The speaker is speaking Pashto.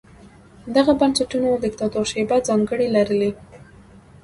دغو بنسټونو دیکتاتورشیپه ځانګړنې لرلې.